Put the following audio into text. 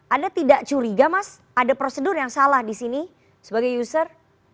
anda tidak curiga mas ada prosedur yang salah di sini sebagai user